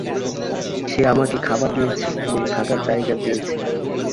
সে আমাকে খাবার দিয়েছে, এবং থাকার জায়গা দিয়েছে।